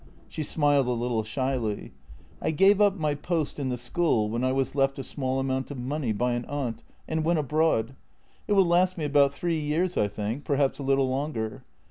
She smiled a little shyly. " I gave up my post in the school when I was left a small amount of money by an aunt, and went abroad. It will last me about three years, I think — perhaps a little longer.